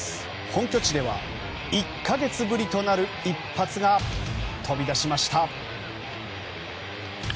本拠地では１か月ぶりとなる一発が飛び出しました。